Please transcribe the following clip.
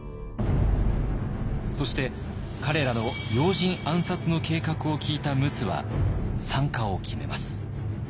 そして彼らの要人暗殺の計画を聞いた陸奥は参加を決めます。